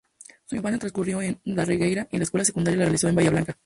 Su infancia transcurrió en Darregueira y la escuela secundaria la realizó en Bahía Blanca.